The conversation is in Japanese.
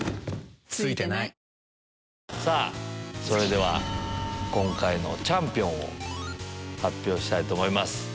それでは今回のチャンピオンを発表したいと思います。